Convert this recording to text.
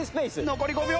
残り５秒！